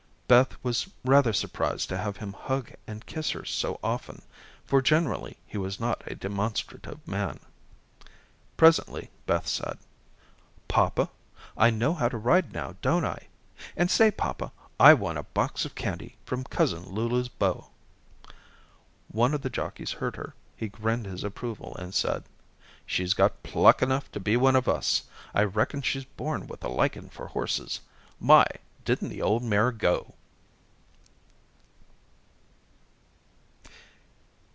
Beth was rather surprised to have him hug and kiss her so often, for generally he was not a demonstrative man. Presently Beth said: "Papa, I know how to ride now, don't I? And say, papa, I won a box of candy from Cousin Lulu's beau." One of the jockeys heard her. He grinned his approval and said: "She's got pluck enough to be one of us. I reckon she's born with a liking for horses. My, didn't the old mare go!"